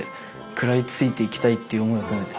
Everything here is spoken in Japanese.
食らいついていきたいっていう思いを込めて。